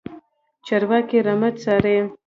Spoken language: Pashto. چرواکی رمه څاري.